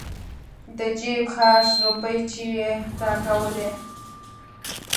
د جيب خرڅ روپۍ چې يې راکولې.